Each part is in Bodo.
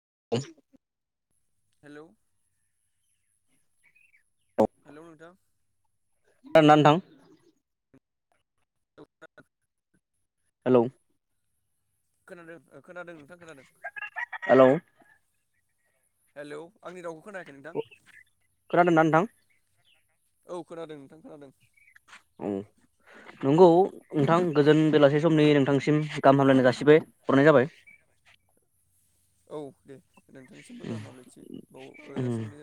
[unintelligible] हेल' हेल' नोंथां खोनादोंना नोंथां [unintelligible] हेलौ खोनादों खोनादों नोंथां खोनादों हेलौ हेल' आंनि राव खोनादों ना नोंथां औ खोनादों नोंथां खोनादों औ नंगौ नोंथां गोजोन बेलासे समनि नोंथांसिम गाहाम हामलायनाय जासिबाय हरनाय जाबाय औ दे नोंथांनिसिमबो गाहामाब्लैथि बाव जासिहरनाय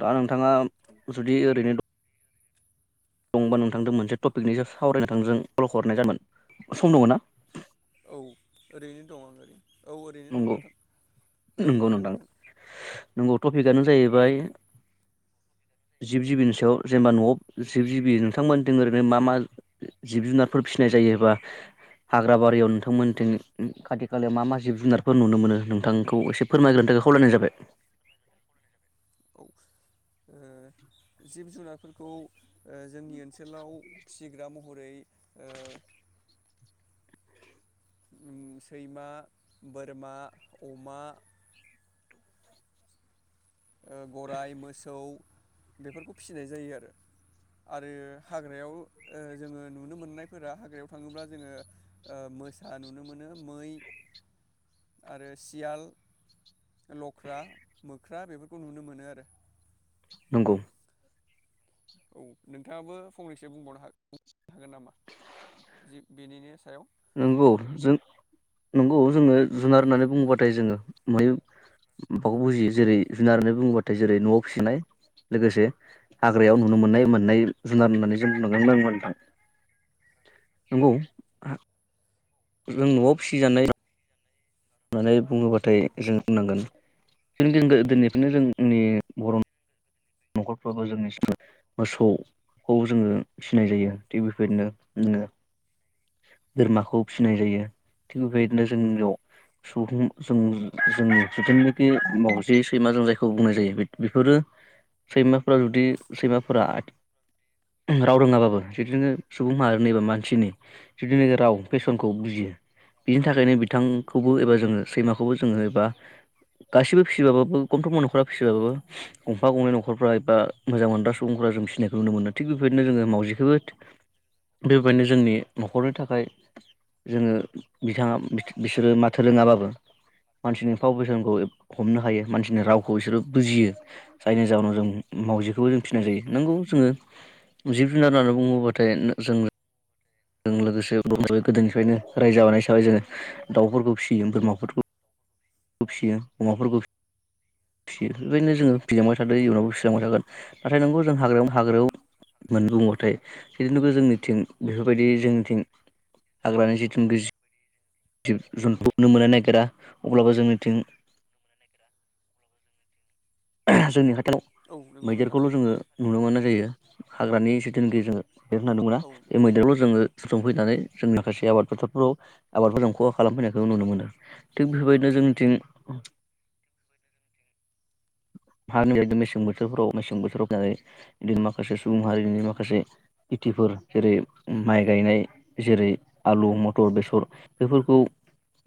दा नोंथाङा जुदि ओरैनो दंबा नोंथांजों मोनसे टपिकनिसो सावरायनो नोंथां कल हरनाय जाबोन सम दङ' ना? औ ओरैनो दं आं ओरैनो औ ओरैनो दं नगौ नोंथां रायज्लायनो नंगौ हागोन नोंथां नंगौ टपिकआनो जाहैबाय जिब जिबिनि सायाव जेनेबा न'आव जिब जिबि नोंथांमोनथिं ओरैनो मा मा जिब जुनारफोर फिसिनाय जायोबा हाग्रा बारियाव नोंथांमोनथिं खाथि खालायाव मा मा जिब जुनारफोर नुनो मोनो नोंथांखौ एसे फोरमायग्रोनो थाखाय खावलायनाय जाबाय। ओ जिब जुनारफोरखौ ओ जोंनि ओनसोलाव फिसिग्रा मह रै ओ सैमा बोरमा अमा ओ गराइ मोसौ बेफोरखौ फिसिनाय जायो आरो आरो हाग्रायाव जोङो नुनो मोननायफोरा हाग्रायाव थाङोब्ला जोङो ओ मोसा नुनो मोनो मै आरो सियाल लख्रा मोख्रा बेफोर खौ नुनो मोनो आरो। नोंंगौ औ नोंथाङाबो फंनैसो बुंबावनोनो हागोन नामा बेनिनो सायाव नंगौ जों नंगौ जोङो जुनार होननानै बुङोबाथाय जोङो बै माबाखौ बुजियो जेरै जुनार होननानै बुङोबाथाय जेरै न'आव फिसिनाय लोगोसे हाग्रायाव नुनो मोननाय मोननाय जुनार होननानै जों बुंनांगोन नोंथां नंगौ। जों न'आव फिसिजानाय होननानै बुङोब्लाथाय जों बुंनांगोन जों जों गोदोनिफ्रायनो जोंनि बर' न'खरफ्राबो जोंनि मोसौखौ जोङो सिनाय जायो थिग बेफोरनो जोङो। बोरमाखौ फिसिनाय जायो थिग बेबायदिनो जोंनियाव सुबुं जों जोंनि जिथुनोखि माव जे सैमा जों जायखौ बुंनाय जायो बेफोरो सैमाफोरा जुदि सैमाफोरा राव रोङाबाबो जदिनोङो सुबुं माहारिनि एबा मानसिनि जुदिनाखि राव फेसनखौ बुजियो बिनि थाखायनो। औ बिथांखौबो एबा नंगौ जोङो नोंथां सैमाखौबो जोङो एबा [unintelligible] नखरनि थाखाय जोङो बिथाङा बिस बिसोरो माथो रोङाबाबो मानसिनि फाव फेसनखौ हमनो हायो मानसिनि रावखौ बिसोरो बुजियो जायनि जाहोनाव जों मावजिखौ बेखौ जों औ फिनाय जायो नंगौ जोङो जिब जुनार होननानै बुङोब्लाथाय जों जों लोगोसे ब बे गोदोनिफ्रायनो रायजो जाबानाय हिसाबै जोङो दाउफोरखौ फिसियो बोरमाफोरखौ खौ फियो अमाफोरखौ फिसियो बेफोरबायदिनो जोङो फिलांबाय थादों इयुनावबो फिलांबाय थागोन नाथाय नंगौ जों हाग्रायाव हाग्रायाव मोन बबाथाय बेफोरबादि जोंनिथिं बेफोरबायदि जोंनिथिं हाग्रानि जिथुनिखि जिब जुनखौनो मोननो नागिरा अब्लाबो जोंनिथिं जोंनि हाथ औ नंगौ नोंथां मैदेरखौल जोङो नुनो मोना जायो। [unintelligible] बेरायनो थांदोंमोना औ बे मैदेरल' जोङो संफैनानै जोंनि माखासे आबाद फोथारफोराव आबादफोरखौ खहा खालामफैनायखौ नुनो मोनो थिग बेफोरबायदिनो जोंनिथिं। हारिनि मेसें बोथोरफ्राव मेसें बोथोराव बिदिनो माखासे सुबुं मारिनि माखासे खिथिफोर जेरै माइ गायनाय जेरै आलु मथर बेसर बेफोरखौ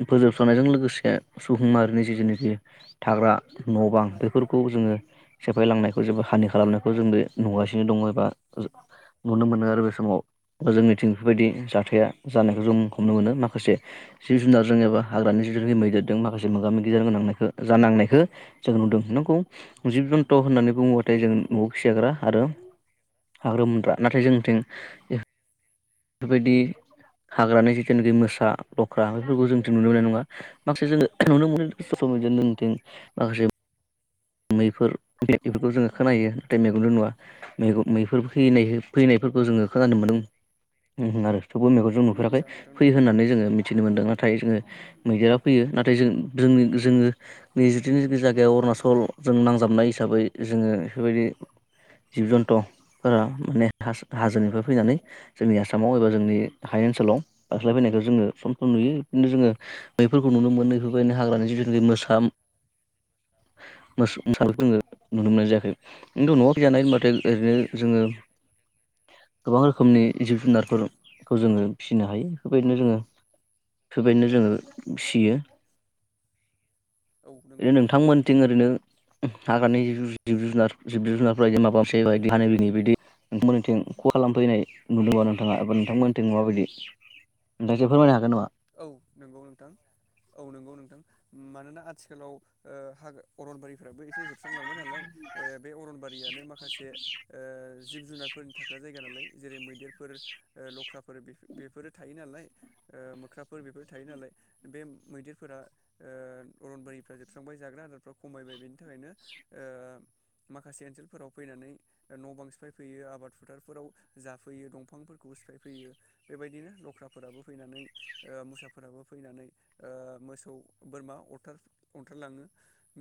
फोजोबस्रांनायजों लोगोसे सुबुं माहारिनि जिथुनिखि थाग्रा नबां बेफोरखौ। खौ जोङो सेफायलांनायखौ जेबो हानि खालामनायखौ जों बे नुगासिनो दङ एबा नुनो मोनो आरो बे समावा जोंनिथिं बेफोरबायदि जाथाया जानायखौ जों हमनो मोनो माखासे जिब जुनारजों एबा हाग्रानि जिब जुनखि मैदेरजों माखासे मोगा मोगि जानो नांनायखौ जानांनायखौ जों नुदों नंगौ। जिब जुन्तु होननानै। औ बुङोबाथाय जों नंगौ नआव फियाग्रा आरो। हाग्रोमग्रा नाथाय जोंथिं बेफोरबायदि हाग्रानि जिथुनोखि मोसा लख्रा बेफोरखौ जोंथिं नुनो मोननाय नङा माखासे जोङो नुनो मोनो ससेल मिडिया जोंथिं माखासे मैफोर बेफोरखौ जोङो खोनायो नाथाय मैगंजों नुवा मैगं मैफोर फैनाय फैनायफोरखौ जोङो खोनानो मोनदों आरो। थेवबो मेगनजों नुफेराखै आदसा नोंथां फैयो नंगौ होननानै जोङो मिथिनो मोनदों आरो। नाथाय जोङो मैदेरा फैयो नाथाय जों जोंनि जोङो नै जिथुनि जायगायाव अरुनााचल जों नांजाबनाय हिसाबै जोङो बेफोरबायदि जिब जन्थुफोरा माने हाजोनिफ्राय फैनानै जोंनि आसामाव एबा जोंनि हाय ओनसोलाव बास्लाय फैनायखौ जोङो सम सम नुयो बिदिनो जोङो बैफोरखौ नुनो मोनो बेफोरबायदिनो हाग्रानि जिब जुन् मोसा मोस मोसानायखौ जोङो नुनो मोननाय जायाखै खिन्थु नआव फिजानाय होनबाथाय औ ओरैनो नंगौ जोङो नोंथां गोबां रोखोमनि जिब जुनारफोर खौ जोङो फिसिनो हायो बेफोरबायदिनो जोङो बेफोरबायदिनो जोङो फियो औ नंगौ ए नोंथां नोंथांमोनथिं ओरैनो हाग्रानि जिब जुनार जिब जुनारफोरा इदि माबा मोनसेदि हानाय बिनि बायदि नोंथां मोननिथिं खहा खालामफैनाय नुदों नामा नोंथाङा एबा नोंथांमोननिथिं मााबायदि नोंथाङा एसे फोरमायनो हागोन नामा। औ नंगौ नोंथां औ नंगौ नोंथां मानोना आथिखालाव ओ हाग अरनबारिफ्राबो एसे जोबस्रांलांबाय नालाय ओ बे अरनबारियानो माखासे ओ जिब जुनारफोरनि थाग्रा जायगा नालाय जेरै मैदेरफोर लख्राफोर बेफ बेफोरो थायो नालाय खुख्राफोर बेफोर थायो नालाय बे मैदेरफोरा ओ अरनबारिफ्रा जोबस्रांबाय जाग्रा आदारफ्रा खमायबाय बेनि थाखायनो ओ माखासे ओनसोलफोराव फैनानै न' बां सिफायफैयो आबाद फोथारफोराव जाफैयो दंफांफोरखौ सिफायफैयो बेबायदिनो लख्राफोराबो फैनानै ओ मोसाफोराबो फैनानै मोसौ बोरमा अरथार अरथारलाङो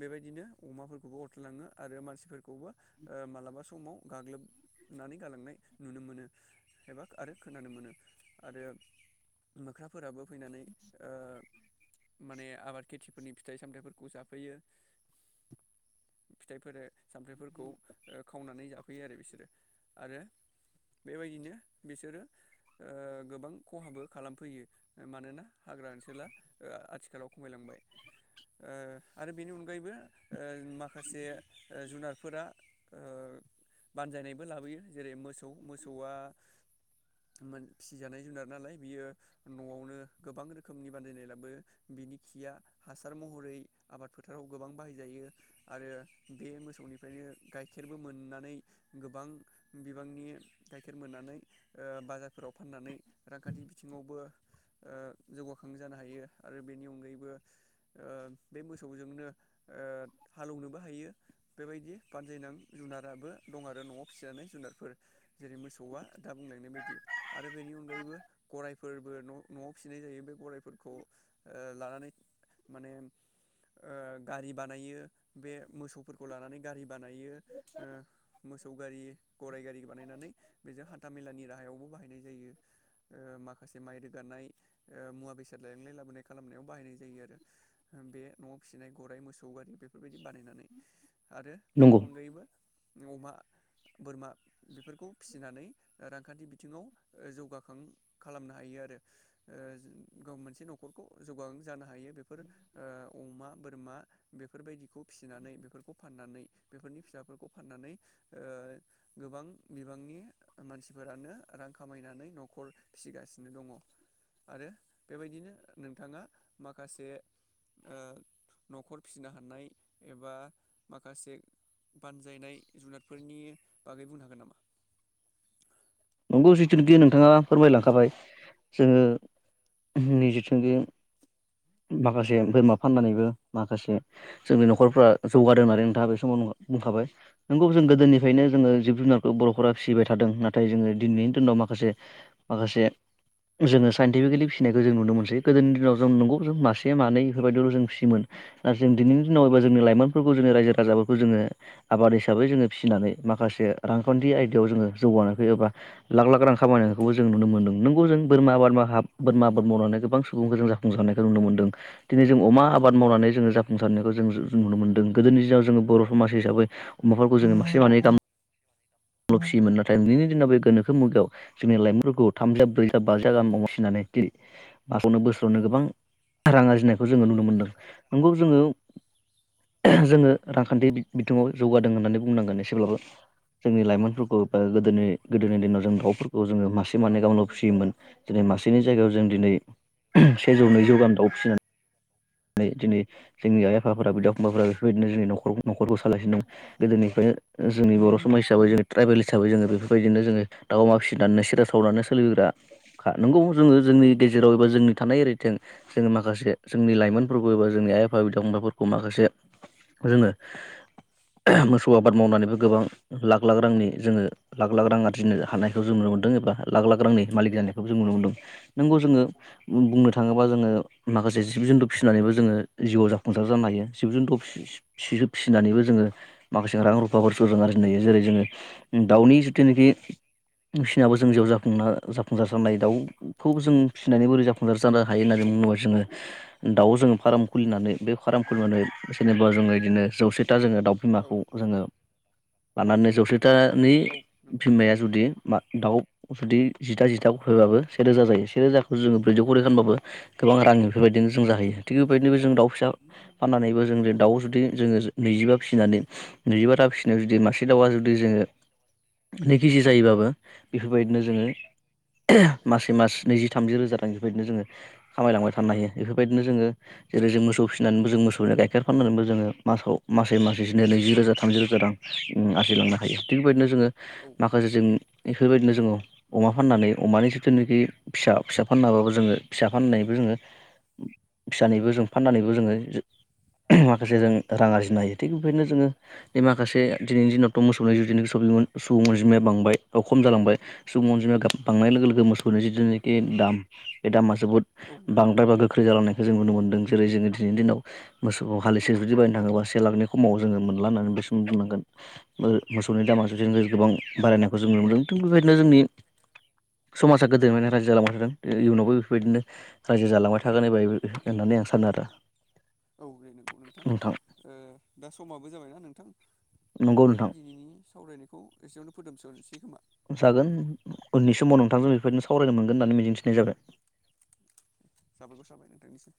बेबायदिनो अमाफोरखौबो अरथारलाङो आरो मानसिफोरखौबो ओ मालाबा समाव गाग्लोबनानै गालांनाय नुनो मोनो एबा आरो खोनानो मोनो आरो मोख्राफोराबो फैनानै ओ माने आबाद खेथिफोरनि फिथाइ सामथाइफोरखौ जाफैयो फिथाइफोर सामथाइफोरखौ खावनानै जाफैयो आरो बिसोरो आरो बेबायदिनो बिसोरो ओ गोबां खहाबो खालामफैयो मानोना हाग्रा ओनसोला आथिखालाव खमायलांबाय ओ आरो बेनि अनगायैबो ओ माखासे ओ जुनारफोरा ओ बानजायनायबो लाबोयो। जेरै मोसौ मोसौआ मोन फिसिजानाय जुनार नालाय बियो न'आवनो गोबां रोखोमनि बानजायनाय लाबोयो बिनि खिया हासार महरै आबाद फोथाराव गोबां बाहायजायो आरो बे मोसौनिफ्रायनो गाइखेरबो मोननानै गोबां बिबांनि गाइखेर मोननानै बाजारफोराव फाननानै रांखान्थि। बिथिङावबो जौगाखां जानो हायो आरो बेनि अनगायैबो बे मोसौजोंनो हालौनोबो हायो बेबायदि बानजायनां जुनाराबो दं आरो न'आव फिजानाय जुनारफोर जेरै मोसौआ दा बुंलायनाय बायदि आरो बेनि अनगायैबो गराइफोरबो न'आव-न'आव फिसिनाय जायो बे गरायफोरखौ ओ लानानै माने ओ गारि बानायो बे मोसौफोरखौ लानानै गारि बानायो ओ मोसौ गारि गराइ गारि बानायनानै बेजों हानथामेलानि राहायावबो बाहायनाय जायो माखासे माइ रोगानाय ओ मुवा बेसाद लायांनाय लाबोनाय खालामनायाव बाहायनाय जायो आरो बे न'आव फिसिनाय गराइ मोसौ गारि बेफोरबायदि बानायनानै आरो बेनि नंगौ अनगायैबो अमा बोरमा बेफोरखौ फिसिनानै रांखान्थि बिथिङाव जौगाखां खालामनो हायो आरो ओ गाव मोनसे न'खरखौ जौगाखां जानो हायो बेफोर ओ अमा बोरमा बेफोरबायदिखौ फिसिनानै बेफोरखौ फाननानै बेफोरनि फिसाफोरखौ फाननानै ओ गोबां बिबांनि मानसिफोरानो रां खामायनानै न'खर फिसिगासिनो दङ' आरो बेबायदिनो नोंथाङा ओ माखासे न'खर फिसिनो हानाय एबा माखासे बानजायनाय जुनारफोरनि बागै बुंनो हागोन नामा? नंगौ जिथुनिखि नोंथाङा फोरमायलांखाबाय जोङो नि जिथुनिखि माखासे बोरमा फाननानैबो माखासे जोंनि न'खरफ्रा जौगादों होननानै नोंथाङा बे समाव बुंखाबाय नंगौ जों गोदोनिफ्रायनो जोङो जिब जुनारखौ बर'फोरा फिसिबाय थादों नाथाय जोङो दिनैनि दिनाव माखासे माखासे जोङो साइन्टिफिकेलि फिसिनायखौ जों नुनो मोनसै गोदोनि दिनाव जों नंगौ जों मासे मानै बेफोरबायदिल' जों फिसियोमोन ना जों दिनैनि दिनावबा जोंनि लाइमोनफोरखौ जोंनि रायजो राजाफोरखौ जोङो आबाद हिसाबै जोङो फिसिनानै माखासे रांखान्थि आयदायाव जोङो जौगानाय लाख लाख रां खामायनायखौबो जों नुनो मोनदों नोंगौ जों बोरमा आबाद बोरमा आबाद मावनानै गोबां सुबुंखौ जों जाफुंसारनायखौ नुनो मोनदों दिनै जों अमा आबाद मावनानै जोङो जाफुंसारनायखौ जों नुनो मोन्दों गोदोनि दिनाव जोङो बर' समाज हिसाबै अमाफोरखौ जोङो मासे मानै बोरमा फिसियोमोन नाथाय दिनैनि दिनाव बे गोनोखो मुगायाव जोंनि लाइमोनफोरखौ थामजि था ब्रैजि था बाजि था गाहामाव फिनानै दिनै मासावनो बोसोरावनो गोबां रां आरजिनायखौ जोङो नुनो मोनदों नंगौ जोङो जोङो रांखान्थि बिथिङाव जौगादों होननानै बुंनांगोन एसेब्लाबो जोंनि लाइमोनफोरखौ ओ औ गोदोनि गोदोनि दिनाव जों दाउफोर खौ जोङो मासे मानैै गाहामल' फिसियोमोन दिनै मासेनि जायगायाव जों दिनै सेजौ नैजौ गाहाम दाउ फिसिनानै दिनै जोंनि आइ आफाफोरा बिदा फंबाफोरा बेफोरबायदिनो जोंनि न'खर न'खरखौ सालायसिनो दं गोदोनिफ्रायनो जोंनि बर' समाज हिसाबै जोंनि ट्राइबेल हिसाबै जोङो बेफोरबायदिनो जोङो दाउ अमा फिसिनानै सेरेफ सावनानै सोलिग्रा नंगौ जोङो जोंनि गेजेराव एबा जोंनि थानाय [unintelligible] जोङो माखासे जोंनि लाइमोन जोंनि आइ आफा बिदा फंबायफोरखौ माखासे मोसौ आबाद मावनानैबो लाख लाख रांनि जोङो लाख लाख रां आरजिनो हानायखौ जों नुनो एबा मोनदों लाख लाख रांनि मालिक जानायखौबो जों नुनो मोनदों नंगौ जोङो बुंनो थाङोब्ला माखासे जिब फिसिनानैबो जोङो जिउआव जाफुंसार जानो हायो जिब जुनथ' फिसिनानैबो जोङो माखासे रां रुफाफोरखौ जों आरजिनो हायो जेरै जोङो दाउनि जिथुनाखि फिसिनाबो जों जिउ जा जाफुंसार जानो हायो दाउखौ जों फिसिनानै बोरै जाफुंसार जानो हायो होननानै बुङोबा जोङो दाउ जोङो फार्म खुलिनानै बे फार्म खुलिनानै जेनेबा जोङो बिदिनो जौसे दा जोङो दाउ औ बिमाखौ जोङो लानानै जौसे तानि औ नंगौ नोंथां बिमाया जुदि दाउ जुदि जिथा जिथायैबाबो सेे रोजा जायो सेेरोजाखौ जोङो ब्रैजौ करै रानबाबो गोबां रां बेफोरबायदिनो जों जाहैयो थिग बेबायदिनोबो जों दाउ फिसा फाननानैबो जों दाउआव जुदि जोङो नैजिबा फिसिनानै नैजिबा ता फिसिनायाव जुदि मासे दाउआ जुदि जोङो नै केजि जायोबाबो बेफोरबायदिनो जोङो मासे मास नैजि थामजि रोजा रां बेबायदिनो जोङो खामायलांबाय थानो हायो बेफोरबायदिनो जोङो जेरै जों मोसौ फिनानैबो जों मोसौ गाइेर फाननानैबो जों मासाव मासे मासे जों नैजि रोजा थामजि रोजा रां आरजिलांनो हायो थिग बेबायदिनो जोङो औ माखासे जों बेफोरबायदिनो जोङो अमा फाननानै अमानि जिथुनाखि फिसा फिसा फाननाबाबो जोङो फिसा फाननानैबो जोङो फिसानिबो जों फाननानैबो जोङो माखासे जों रां आरजिनो हायो थिग बेबायदिनो जोङो बे माखासे दिनैनि दिनावथ' मोसौनि जिथुनिखि सुबुं अनजिमाया बांबाय बा खम जालांबाय सुबुं अनजिमाया बांनाय लोगो लोगो मोसौनि जिथुनाखि दाम बे दामा जोबोद औ नोंथां बांद्राय औ बा गो जालांनाय जों नुनो मोनदों जेरै जोंनि दिनैनि दिनाव मोसौखौ हालिसे जुदि बायनो थाङोबा से लाखनि खमाव जोङो मोनलानो बे सम दनांगोन मोसौनि दामा जुदि गोबां बारायनायखौ जों नुनो मोनदों थिग बेबायदिनो जोंनि समाजा गोदोनिफ्रायनो रायजो जालांबाय थादों इयुनावबो बेफोरबायदिनो रायजो जालांबाय था थाखानाय बाय होननानै आं सानो आरो औ बेे नंगौ नोंथां ओ दा समाबो जाबायना नोंथां नंगौ बेनिखायनो नोंथां दिनैनि सावरायनायखौ एसेयावनो फोजोबथनोसै खोमा जागोन उननि समाव नोंथांजों बेफोरदिनो सावरायनो मोनगोन होननानै मिजिंथिनाय जाबाय साबायखर थाबाय नोंथांनिसिम